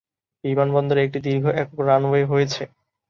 বিমানবন্দরে একটি দীর্ঘ একক রানওয়ে হয়েছে।